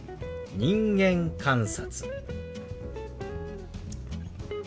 「人間観察」。